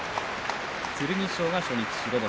剣翔が初日、白星。